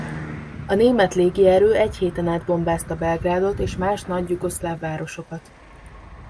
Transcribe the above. A német légierő egy héten át bombázta Belgrádot és más nagy jugoszláv városokat.